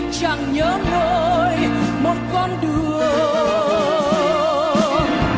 chẳng nhớ nơi một con đường